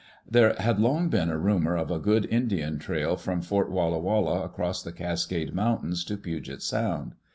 There had long been a rumor of a good Indian trail from Fort Walla Walla across the Cascade Mountains to Puget Sound.